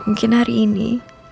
mungkin hari ini